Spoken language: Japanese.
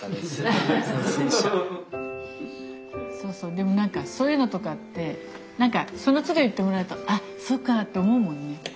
でもなんかそういうのとかってそのつど言ってもらうとあそっかって思うもんね。